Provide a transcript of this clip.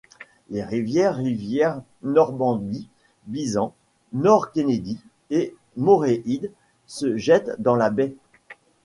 Les rivières rivière Normanby, Bizant, North Kennedy et Morehead se jettent dans la baie.